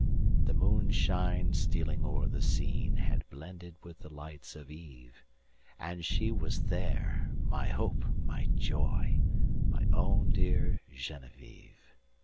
The moonshine stealing o'er the sceneHad blended with the lights of eve; And she was there, my hope, my joy, My own dear Genevieve!